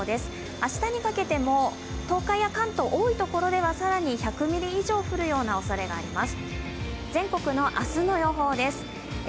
明日にかけても東海や関東、多いところでは更に１００ミリ以上降るおそれがあります。